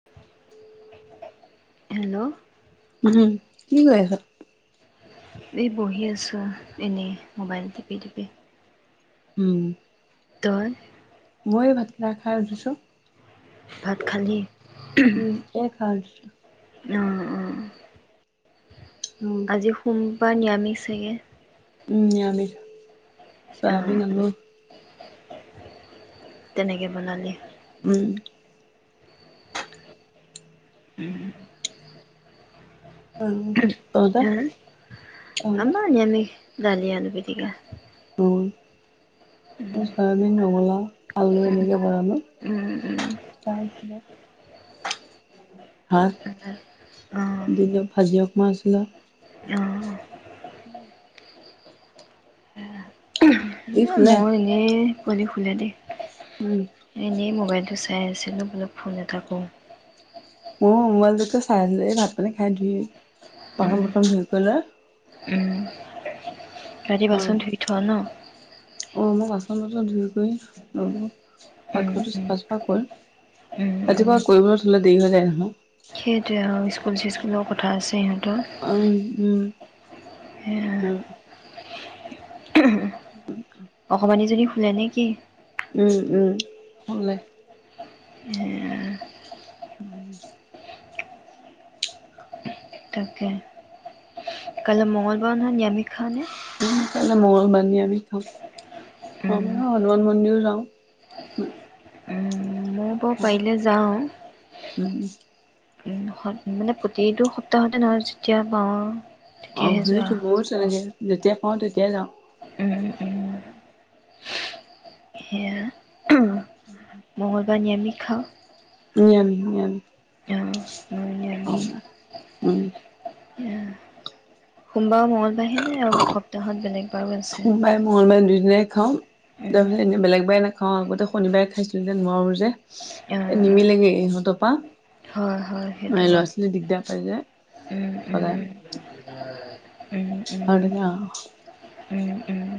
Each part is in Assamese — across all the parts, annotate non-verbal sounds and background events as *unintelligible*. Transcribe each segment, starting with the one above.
*inaudible* হেল্ল' *unintelligible* কি কৰি আছ? এই বহি আছোঁ এনেই মোবাইল টিপি টিপি। উম। তই? মই এই ভাত কেইটা খাই উঠিছোঁ। ভাত খালি? এ খাই উঠিছোঁ। অ'। উম। আজি সোমবাৰ নিৰামিষ চাগে? উম', নিৰামিষ, অঁ চয়াবিন অঁ আলু। তেনেকে বনালি। উম। উম। আৰু তহঁতে? হা, তহঁতে? আমৰো নিৰামিষ দালি, আলু পিটিকা। অহ এ উম চয়াবিন, ৰঙলাও, আলু এনেকে বনালো। উম তাৰ পিছত ভাত অঁ অঁ দিলোঁ, ভাজি অকণ আছিলে। ই এ শুলে? মই এনেই, পোৱালি শুলে দেই। উম। এনেই মোবাইলটো চাই আছিলোঁ, বুলো ফোন এটা কৰোঁ। ময়ো মোবাইলটোকে চাই আছিলোঁ, এই ভাত পানী খাই ধুই উম বাচন-বৰ্তন ধুই কৰি লয়। উম, ৰাতি অ', বাচন ধুই থোৱা ন? অ', মই বাচন-বৰ্তন ধুই কৰি উম পাকঘৰটো উম চাফা-চফা কৰি, উম ৰাতিপুৱা উম কৰিবলৈ থলে দেৰি হৈ যায় নহয়। সেইটোৱে আৰু স্কুল-চিস্কুলৰ কথা আছে সিহঁতৰ। অম, উম। সেয়া উম। অকমানি জনী শুলে নে কি? উম, উম, শুলে। এ তাকে। কাইলে মঙলবাৰ নহয় নিৰামিষ খাওঁ নে? অ', কাইলে মঙলবাৰ নিৰামিষ খাওঁ, হনুমান মন্দিৰো যাওঁ। ময় বৰ অ পাৰিলে যাওঁ। উম উম', মানে প্ৰতিটো সপ্তাহতে নাযাওঁ, যেতিয়া পাওঁ আৰু। তেতিয়াহে অ', যোৱা সেইতো হয় ময়ো তেনেকে যেতিয়া পাওঁ, তেতিয়াই যাওঁ। উম, উম *unintelligible* মঙ্গলবাৰে নিৰামিষ খাওঁ। নিৰামিষ নিৰামিষ। অ', মই অ উম এয়া সোমবাৰ মঙ্গলবাৰে হে নে আৰু সপ্তাহত বেলেগ বাৰো আছে। সোমবাৰে মঙ্গলবাৰে দুই দিনে খাওঁ। উম, তাৰপিছত এনেই বেলেগবাৰে নাখাওঁ, আগতে শনিবাৰে খাইছিলোঁ যে নোৱাৰোঁ যে অ', এ' অ', নিমিলেগে ইহঁতৰ পৰা। হয় হয় সেইটো এ' বাৰু ল'ৰা-ছোৱালী দিগদাৰ পায় যে উম, সদায়। উম, উম আৰু উম তেনেকে অ উম, উম,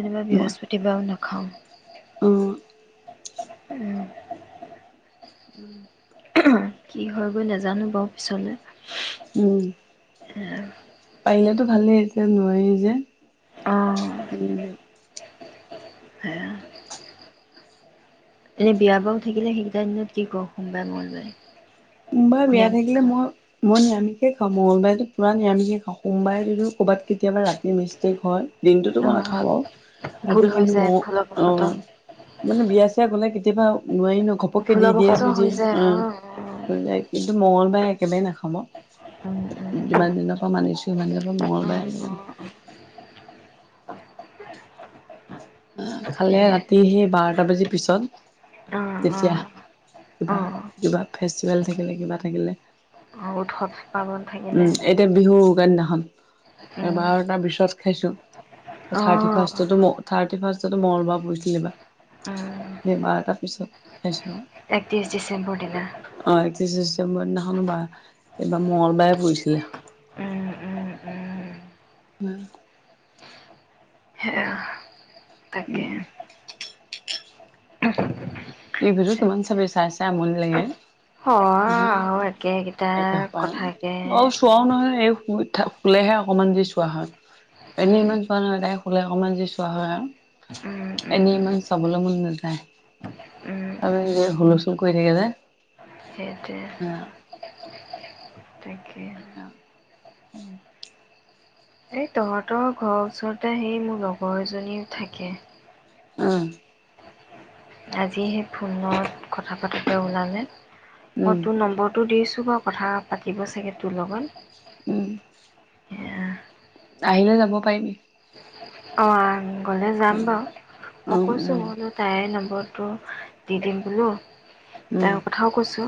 এনে বৃহস্পতিবাৰেও নেখাওঁ। অ উম উম কি হয় গৈ নাজানো বাৰু পিছলে। উম সেয়া পাৰিলেতো ভালেই এতিয়া নোৱাৰি অ', যে উম সেয়া এনে বিয়া বাৰু থাকিলে সেইকেইটাৰ দিনত কি কৰ সোমবাৰে মঙ্গলবাৰে সোমবাৰে বিয়া নিৰামিষ থাকিলে খাওঁ। মই মই নিৰামিষে খাওঁ মঙলবাৰেতো পুৰা নিৰামিষে খাওঁ সোমবাৰেতো ক'ৰবাত কেতিয়াবা ৰাতি মিষ্টেক হয় দিনটোতো মই অ', নাখাওঁ বাৰু ভুল ৰাতি হৈ কিন্তু যায় ম ভুলবশতঃ। অ মানে বিয়া চিয়া গলে কেতিয়াবা নোৱাৰি ন ঘপককে দি ভুলবশতঃ দিয়ে হৈ যে যায় অ হৈ যায় কিন্তু মঙ্গলবাৰে একেবাৰে নাখাও মই উম, উম, যিমান দিনৰ পৰা মানিছোঁ সিমান দিনৰ পৰা অ', মঙ্গলবাৰে অ', মানে অ', আহ খালে সেয়াই। ৰাতি সেই বাৰটা বাজি পিছত অ', তেতিয়া অ', কিবা অ', কিবা ফেষ্টিভেল থাকিলে কিবা থাকিলে অ', উৎসৱ পাৰ্বন উম থাকিলে এতিয়া বিহু উৰুকা দিনাখন এ উম, বাৰটা তাৰপিছত খাইছোঁ থাৰ্টি অ', ফাৰ্ষ্টতো মোক থাৰ্টি ফাৰ্ষ্টতো মঙ্গলবাৰ পৰিছিলে উম। এইবাৰ বাৰটা পিছত খাইছোঁ আৰু একত্ৰিছ ডিচেম্বৰ দিনা অ একত্ৰিশ ডিচেম্বৰ দিনাখনো বা এইবাৰ মঙ্গলবাৰে পৰিছিলে উম উম উম উম সেয়া তাকে উম টিভিটো কিমান চাবি চাই চাই আমনি লাগে হয় সদায় আৰু একেকেইটা একেসোপা কথাকে মই চোৱাও নহয় এই সময়ত থা শুলেহে অকণমান যি চোৱা হয় এনেই উম ইমান চোৱা নহয় তাই শুলে অকণমান যি চোৱা হয় আৰু উম উম এনেই ইমান চাবলৈ মন নাযায় উম আমি উম ই যে হুলুস্থল কৰি থাকে যে সেইটোৱে তাকে সেয়া উম এই তহঁত তৰ ঘৰৰ ওচৰতে সেই মোৰ লগৰ এজনীও থাকে উম আজি সেই ফোনত কথা পাতোতে ওলালে মই উম তোৰ নম্বৰ টো দিছোঁ বাৰু কথা পাতিব চাগে তোৰ লগত উম সেয়া আহিলে যাব পাৰিবি অঁ গ'লে যাম উম বাৰু মই উম কৈছোঁ তাইৰ নম্বৰটো দি দিম বোলো উম তাই কথাও কৈছো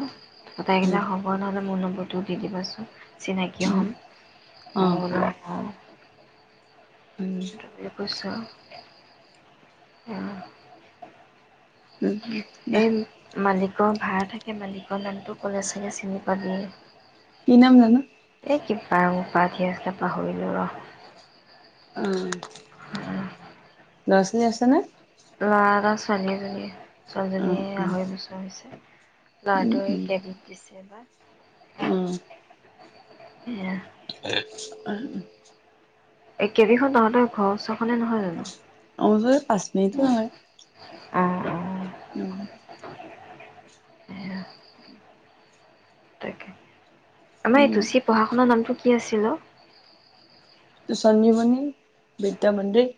তাই উম *unintelligible* মোৰ নম্বৰটো দি দিবাচোন চিনাকি উম হম' অ মই বোলো অ উম *unintelligible* অ উম উম এই বাহ মালিকৰ ভাড়া থাকে মালিকৰ নামটো কলে চাগে চিনি পাবি কি নাম জানো এই কিবা উপাধি আছিলে পাহৰিলোঁ ৰ' অ ল'ৰা ছোৱালী আছে নে? ল'ৰা এটা ছোৱালী এজনী অ অ ছোৱালীজনীয়ে আঢ়ৈ বছৰ হৈছে উম লৰাটোৱে কেবিদ দিছে এইবাৰ অ এই *unintelligible* এই কেবিখন তহঁতৰ ঘৰৰ ওচৰ খনে নহয় জানো অ *unintelligible* পাচ মিনিটো নালাগে অ অ উম *unintelligible* তাকে আমাৰ এই উম টোচি পঢ়া-শুনাৰ নামটো কি আছিল ও সঞ্জীৱনী বিদ্যামন্দিৰ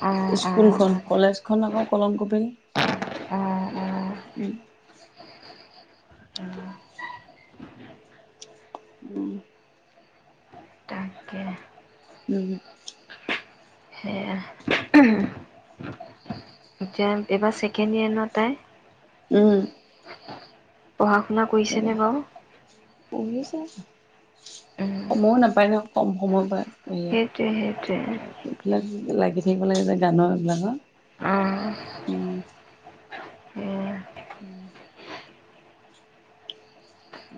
অ', স্কুলখন অ', কলেজখনৰ আকৌ কলম কপি অ', অ', অ', উম উম তাকে উমু সেয়াই উমু এতিয়া, এইবাৰ ছেকেণ্ড এয়েৰ ন তাই উম পঢ়া-শুনা কৰিছেনে বাৰু পঢ়িছে, উম, সময়ো নাপায় নহয় কম সময় পায়। বঢ়িয়া, সেইটোৱে সেইটোৱে এইবিলাক লাগি থাকিব লাগে যে গানৰ এইবিলাকৰ অ', সেয়া উম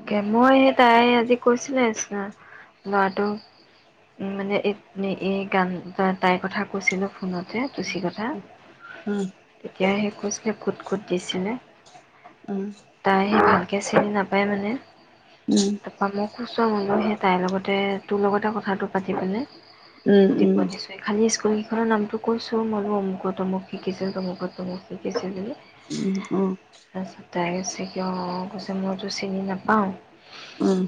গেমৰ এই তাই আজি কৈছিলে যে লৱাটো মানে এই এই গান তাইৰ কথা কৈছিলোঁ ফোনত যা তুচিকথা, উম তেতিয়া সেই খোজটো খোট খোত দিছেহে। অ তাই সিয়াক ভালকে চিনি নাপায় মানে ওম পামৰ ওচৰৰ আলহী এটাই তাইৰ লগতে তোৰ লগটে কথাটো পাতি পিনে উম দিব উম দিছো। খালি স্কুল কেইখনৰ নামটো কৈছোঁ। মই বোলোঁ অমুকত তমুক শিকিছে তমুক তমুক শিকিছে বুলি। উমঁ' অঁ'। তাৰপিছত তাই কৈছে কি অঁ' মইতো চিনি নাপাওঁ। উমঁ'।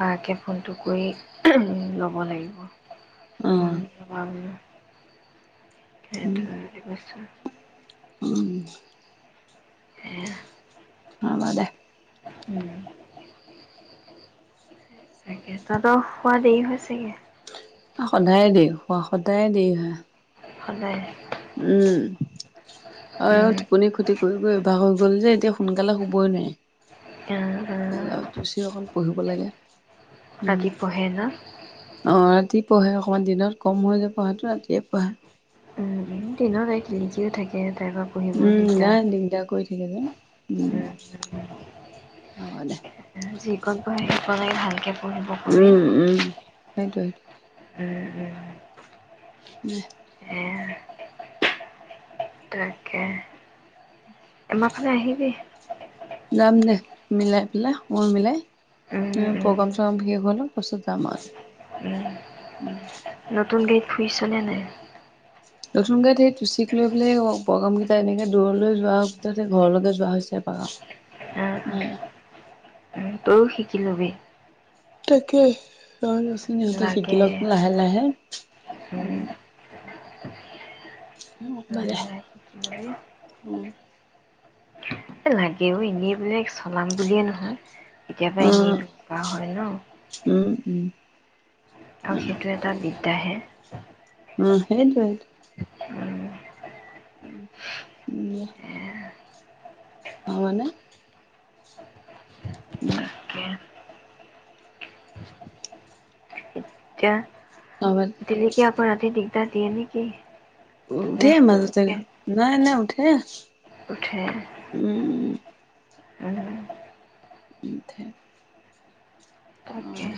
বায়েকে ফোনটো কৰি ল'ব লাগিব। উম, মই নোৱাৰিলে, *unintelligible* উমঁ। সেয়া। হ'ব দে। উমঁ। তাকে তহঁতৰ শুৱা দেৰি হৈছেগৈ। সদায়ে দেৰি শুৱা, সদায়ে দেৰি হয়। সদায়। উমঁ' *unintelligible* উম টোপনি খতি- কৰি কৰি অভ্যাস হৈ গ'ল যে এতিয়া সোনকালে শুবই আ নোৱাৰি। *unintelligible* অকণ পঢ়িব লাগে। ৰাতি পঢ়ে না? অঁ' ৰাতি পঢ়ে অকমান, দিনত কম হ‌‌য় যে পঢ়াটো ৰাতিয়ে পঢ়ে। উম দিনত *unintelligible* থাকে তাই অলপ। উমঁ' নাই দিগদাৰ কৰি থাকে যে উমঁ' উম হ'ব দে। যিকণ পঢ়ে সেইকণেই ভালকৈ পঢ়িব কবি। উম, উম, সেইটোৱে উমঁ' উমঁ'। *unintelligible* *unintelligible* তাকে, আমাৰ ফালে আহিবি। যাম দে মিলাই পেলায়, সময় মিলাই। উম, উম, প্ৰগ্ৰাম চগ্ৰাম শেষ হৈ লওক তাৰ পাছত যাম উম, এদিন। উমঁ'। নতুন গাড়ীত ফুৰিচনে নাই? নতুন গাড়ীত সেই টুচীক লৈ পেলাই প্ৰাগাম কেইটা এনেকে দূৰলৈ যোৱাৰ ভিতৰত সেই ঘৰলৈকে যোৱা হৈছে। উম, *inaudible* উম, তইও শিকি লবি। তাকেই, *unintelligible* ইহঁতে লাগে শিকিলওক লাহে-লাহে, উম, উমঁ'। লাহে লাহে শিকি লবি। *unintelligible* এ লাগেও, এনেই বোলে চলাম বুলিয়ে নহয়, কেতিয়াবা এনেই দৰকাৰ হয় ন'। উম-উম। আৰু সেইটো এটা বিদ্যাহে। অঁ' সেইটোৱেই। উম, উমঁ *unintelligible* ভাবানে? উমঁ। তাকে তিয়া- *unintelligible* *unintelligible* আকৌ ৰাতি দিগদাৰ দিয়ে নে কি? উঠে মাজতে, *unintelligible* নাই উঠে। উঠে। উম-উম। *unintelligible* *unintelligible* অহ, তাকে। দে।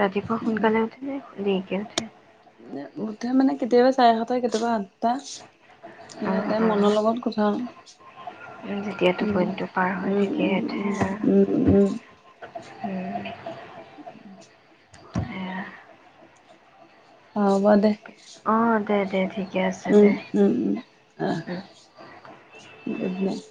ৰাতিপুৱা সোনকালে উঠিনে দেৰিকে উঠে? মানে উঠে মানে কেতিয়াবা চাৰেসাতটা কেতিয়াবা আঠটা। সেইয়ে অ', তাইৰ মনৰ অ'। লগত কথা আৰু। যেতিয়া টোপনিটো উম', পাৰ হয় তেতিয়াই উম-উম-উম-উম', উঠে। উম'। উম, উম, সেয়া। হ'ব দে। অহ, দে-দে ঠিক উম', উম', অহ' উম। Good night.